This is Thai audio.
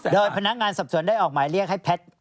โดยพนักงานสอบสวนได้ออกหมายเรียกให้แพทย์